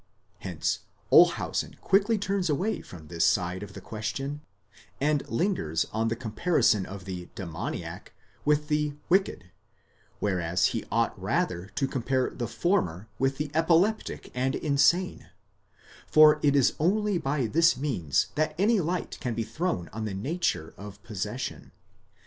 Hence Olshausen quickly turns away from this side of the question, and lingers on the comparison of the δαιμονιζόμενος (demoniac) with the πονηρὸς (wicked) ; whereas he ought rather to compare the former with the epileptic and insane, for it is only by this means that any light can be thrown on the nature of possession.